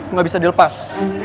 nggak bisa dilepas